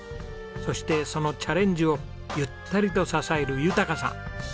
そしてそのチャレンジをゆったりと支える豊さん。